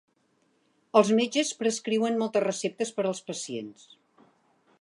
Els metges prescriuen moltes receptes per als pacients.